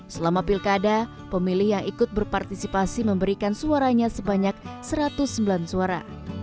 selama pilkada pemilih yang ikut berpartisipasi memberikan suaranya sebanyak satu ratus sembilan suara